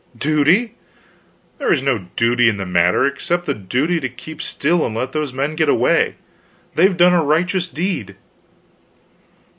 "Duty? There is no duty in the matter, except the duty to keep still and let those men get away. They've done a righteous deed."